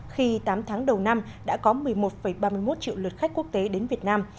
khi tám tháng đầu năm đã có một mươi một ba mươi một triệu lượt khách quốc tế đến việt nam